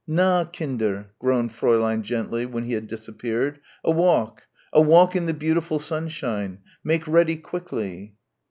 "Na, Kinder," crooned Fräulein gently, when he had disappeared, "a walk a walk in the beautiful sunshine. Make ready quickly."